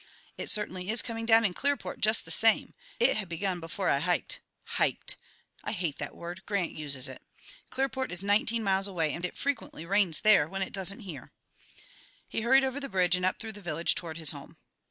"It certainly is coming down in Clearport, just the same. It had begun before I hiked. Hiked! I hate that word; Grant uses it. Clearport is nineteen miles away, and it frequently rains there when it doesn't here." He hurried over the bridge and up through the village toward his home.